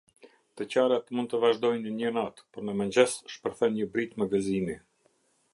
Të qarat mund të vazhdojnë një natë, por në mëngjes shpërthen një britmë gëzimi.